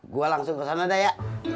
gue langsung kesana dah ya